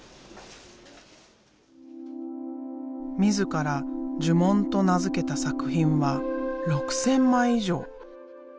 自ら「呪文」と名付けた作品は６，０００枚以上。